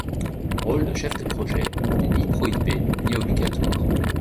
Le rôle de chef de projet, n'est ni prohibé, ni obligatoire.